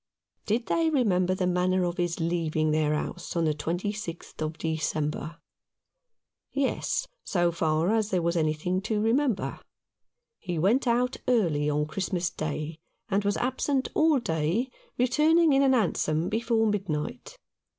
Did they remember the manner of his leaving their house on the 26th of December ? Yes, so far as there was anything to remember. He went out early on Christmas Day, and was absent all day, returning in a hansom before midnight.